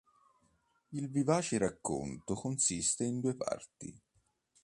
Il vivace racconto consiste in due parti.